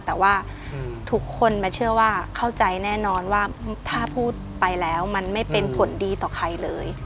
แต่ว่าทุกคนมาเชื่อว่าเข้าใจแน่นอนว่าถ้าพูดไปแล้วมันไม่เป็นผลดีต่อใครเลย